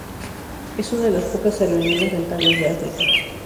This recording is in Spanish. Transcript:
Es una de las pocas aerolíneas rentables de África.